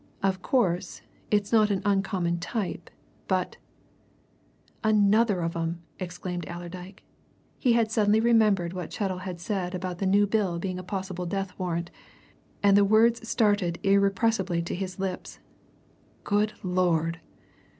Of course, it's not an uncommon type, but " "Another of 'em!" exclaimed Allerdyke. He had suddenly remembered what Chettle had said about the new bill being a possible death warrant, and the words started irrepressibly to his lips. "Good Lord!"